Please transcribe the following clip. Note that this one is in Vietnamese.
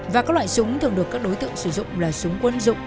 và các loại súng thường được các đối tượng sử dụng là súng quân dụng